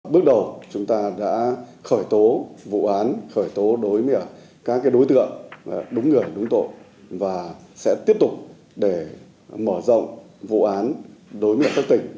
bước đầu chúng ta đã khởi tố vụ án khởi tố đối với các đối tượng đúng người đúng tội và sẽ tiếp tục để mở rộng vụ án đối với các tỉnh